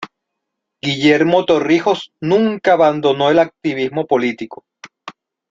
Guillermo Torrijos nunca abandonó el activismo político.